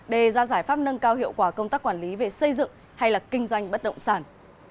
đề ra giải pháp nâng cao hiệu quả công tác quản lý về xây dựng hay là kinh doanh bất động sản